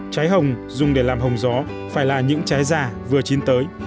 trái hồng dùng để làm hồng gió phải là những trái già vừa chín tới